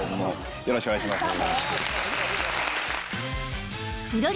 よろしくお願いします。